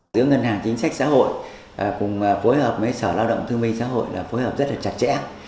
giữa ngân hàng chính sách xã hội cùng phối hợp với sở lao động thương minh xã hội là phối hợp rất chặt chẽ